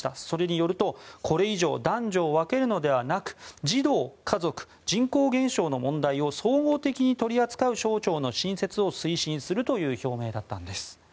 それによるとこれ以上男女を分けるのではなく児童、家族、人口減少の問題を総合的に取り扱う省庁の新設を推進するという表明だったんです。